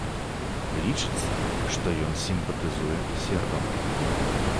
Лічыцца, што ён сімпатызуе сербам.